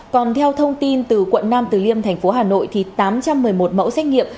còn theo thông tin từ quận nam từ liêm thành phố hà nội thì tám trăm một mươi một mẫu xét nghiệm